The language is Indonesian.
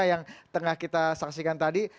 yang tengah kita saksikan tadi